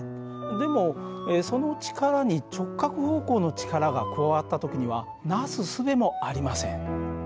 でもその力に直角方向の力が加わった時にはなすすべもありません。